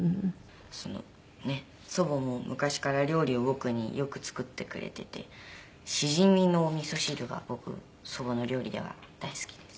そのねっ祖母も昔から料理を僕によく作ってくれていてシジミのおみそ汁が僕祖母の料理では大好きです。